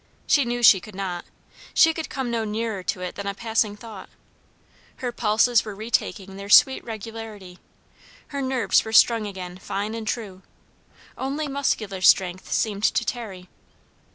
She knew she could not; she could come no nearer to it than a passing thought; her pulses were retaking their sweet regularity; her nerves were strung again, fine and true; only muscular strength seemed to tarry.